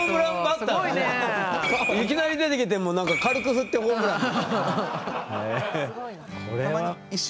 いきなり出てきて軽く振ってホームラン。